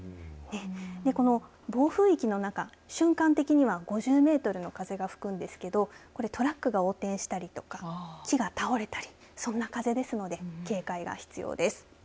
この暴風域の中、瞬間的には５０メートルの風が吹くんですけれどこれトラックが横転したりとか木が倒れたりそんな風ですので警戒が必要です。